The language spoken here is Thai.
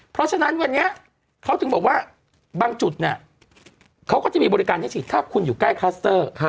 เพราะฉะนั้นวันนี้เขาถึงบอกว่าบางจุดเนี่ยเขาก็จะมีบริการให้ฉีดถ้าคุณอยู่ใกล้คลัสเตอร์